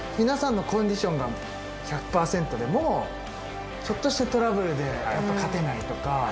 皆さんのコンディションが１００％でもちょっとしたトラブルで勝てないとか。